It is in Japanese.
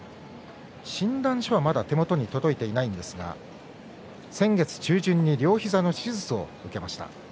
診断書はまだ手元に届いていないんですが先月中旬に両膝の手術を受けました。